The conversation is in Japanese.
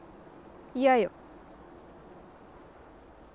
嫌よ。